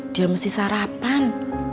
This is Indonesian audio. dia mesti sarapan